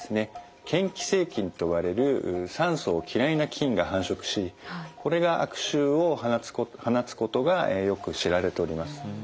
嫌気性菌と呼ばれる酸素を嫌いな菌が繁殖しこれが悪臭を放つことがよく知られております。